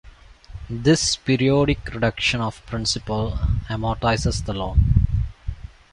This periodic reduction of principal amortizes the loan.